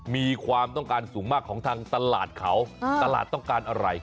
มีความต้องการสูงมากของทางตลาดเขาตลาดต้องการอะไร